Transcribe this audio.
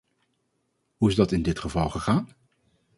Hoe is dat in dit geval gegaan?